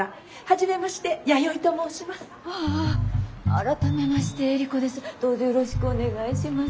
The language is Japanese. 改めましてエリコです。